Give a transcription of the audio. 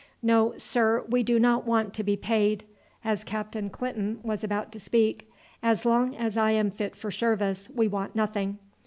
No, sir, we do not want to be paid," as Captain Clinton was about to speak; "as long as I am fit for service we want nothing.